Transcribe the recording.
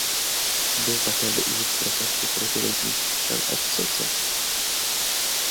Byl také využit pro testy protilodních střel Exocet.